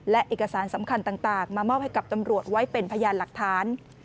และเอกสารสำคัญต่างมามอบให้กับตำรวจไว้เป็นพยานหลักฐาน